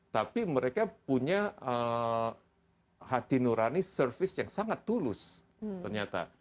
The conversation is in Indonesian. tapi mereka punya hati nurani service yang sangat tulus ternyata